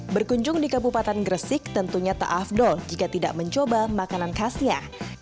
berkunjung di kabupaten gresik tentunya tak afdol jika tidak mencoba makanan khasnya